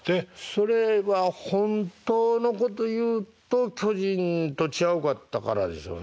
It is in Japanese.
それは本当のこと言うと巨人とちゃうかったからでしょうね。